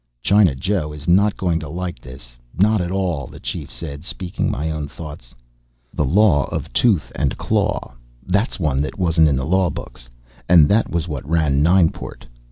"China Joe is not going to like this, not at all," the Chief said, speaking my own thoughts. The law of Tooth and Claw. That's one that wasn't in the law books. And that was what ran Nineport.